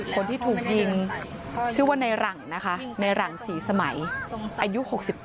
คนที่ถูกยิงชื่อว่าในหลังนะคะในหลังศรีสมัยอายุ๖๘